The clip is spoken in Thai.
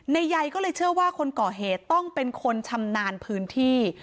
ใยก็เลยเชื่อว่าคนก่อเหตุต้องเป็นคนชำนาญพื้นที่